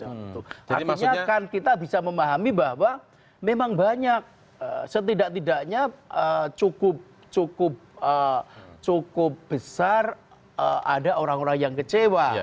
artinya kan kita bisa memahami bahwa memang banyak setidak tidaknya cukup besar ada orang orang yang kecewa